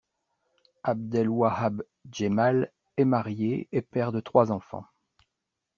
Abdelwahab Jemal est marié et père de trois enfants.